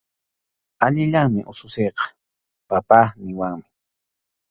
Allillanmi ususinqa “papá” niwanmi.